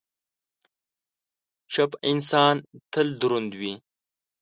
چپ انسان، تل دروند وي.